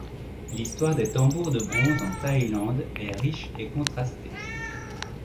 L'histoire des Tambours de Bronze en Thaïlande est riche et contrastée.